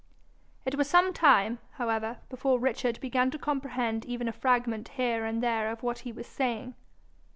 It was some time, however, before Richard began to comprehend even a fragment here and there of what he was saying.